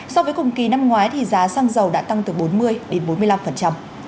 so với cùng kỳ năm ngoái thì giá xăng dầu đã tăng từ bốn mươi đến bốn mươi năm